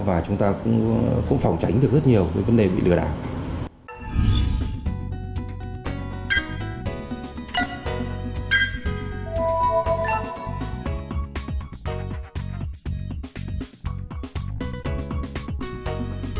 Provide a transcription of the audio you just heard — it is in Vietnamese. và chúng ta cũng phòng tránh được rất nhiều cái vấn đề bị lừa đảo